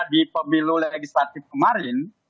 di pemilu legislatif kemarin